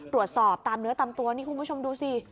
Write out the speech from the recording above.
ตามเนื้อตามตัวนี่คุณผู้ชมดูสิ